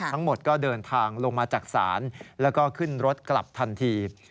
ทั้งหมดก็เดินทางลงมาจากศาลแล้วก็ขึ้นรถกลับทันที